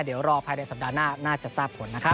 เดี๋ยวรอภายในสัปดาห์หน้าน่าจะทราบผลนะครับ